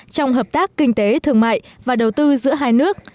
trong hợp tác kinh tế thương mại và đầu tư giữa hai nước